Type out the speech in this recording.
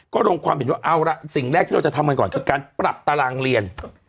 ก็ลงความเห็นว่าเอาล่ะสิ่งแรกที่เราจะทำกันก่อนคือการปรับตารางเรียน